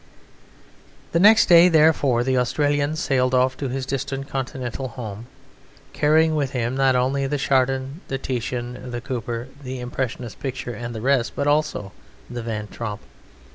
The next day, therefore, the Australian sailed off to his distant continental home, carrying with him not only the Chardin, the Titian, the Cooper, the impressionist picture, and the rest, but also the Van Tromp.